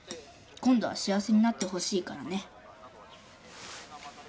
今度は幸せになってほしいからね。